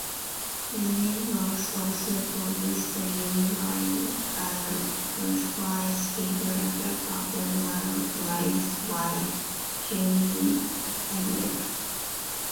Univox also produced the Uni-Vibe, a Leslie speaker effect popularized by Jimi Hendrix.